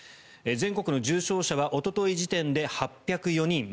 全国の重症者はおととい時点で８０４人。